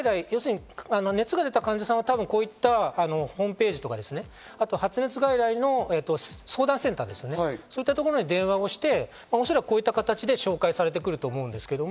熱が出た患者さんは多分、こういったホームページとか、発熱外来の相談センターですね、そういった所に電話をして、おそらくこういった形で紹介されてくると思うんです。